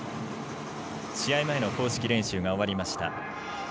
試合前の公式練習が終わりました。